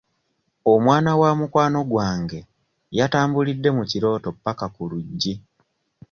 Omwana wa mukwano gwange yatambulidde mu kirooto ppaka ku luggi.